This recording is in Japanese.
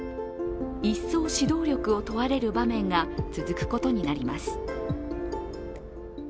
一層、指導力を問われる場面が続くことになります。